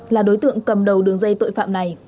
là đối tượng cầm đầu đường dây tội phạm này